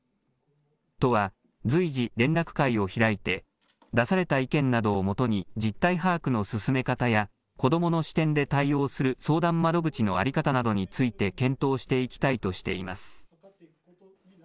都は随時、連絡会を開いて、出された意見などをもとに、実態把握の進め方や子どもの視点で対応する相談窓口の在り方などについて検討していきたいとしています。